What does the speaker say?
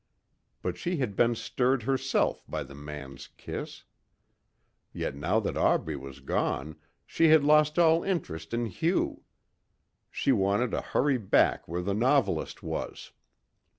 But she had been stirred herself by the man's kiss. Yet now that Aubrey was gone she had lost all interest in Hugh. She wanted to hurry back where the novelist was.